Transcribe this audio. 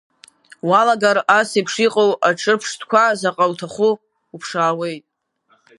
Уалагар ас еиԥш иҟоу аҿырԥштәқәа заҟа уҭахыу уԥшаауеит.